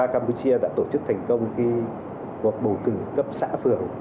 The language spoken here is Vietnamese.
campuchia đã tổ chức thành công cuộc bầu cử cấp xã phường